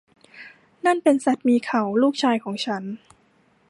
นั่นเป็นสัตว์มีเขา ลูกชายของฉัน